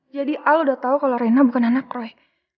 jadi al udah tau kalau reina bukan anak roy